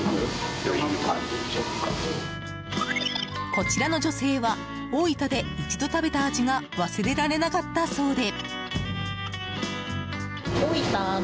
こちらの女性は大分で一度食べた味が忘れられなかったそうで。